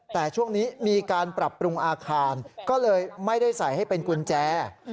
แต่ช่วงนี้มีการปรับปรุงอาคารก็เลยไม่ได้ใส่ให้เป็นกุญแจ